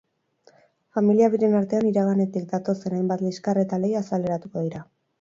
Familia biren artean iraganetik datozen hainbat liskar eta lehia azaleratuko dira.